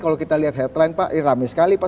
kalau kita lihat headline pak ini rame sekali pak